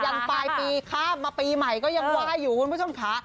ันปลายปีข้ามมาปีใหม่ก็ยังไหว้อยู่คุณผู้ชมค่ะ